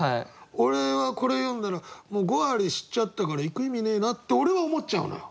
俺はこれ読んだらもう５割知っちゃったから行く意味ねえなって俺は思っちゃうのよ。